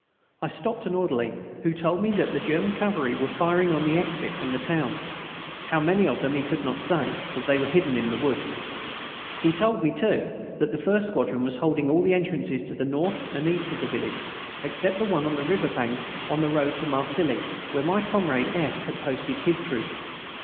I stopped an orderly, who told me that the German cavalry were firing on the exit from the town. How many of them he could not say, as they were hidden in the woods. He told me, too, that the first squadron was holding all the entrances to the north and east of the village except the one on the river bank on the road to Marcilly, where my comrade F. had posted his troop.